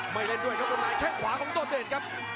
ไม่เล่นด้วยก็ต้นไปแค่ขวาของโดดเดนครับ